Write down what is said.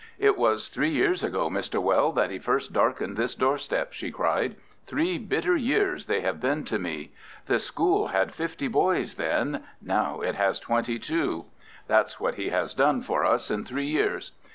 "It was three years ago, Mr. Weld, that he first darkened this doorstep," she cried. "Three bitter years they have been to me. The school had fifty boys then. Now it has twenty two. That's what he has done for us in three years.